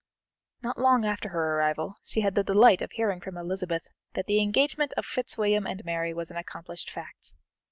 Not long after her arrival she had the delight of hearing from Elizabeth that the engagement of Fitzwilliam and Mary was an accomplished fact.